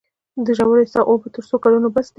د ژورې څاه اوبه تر څو کلونو بس دي؟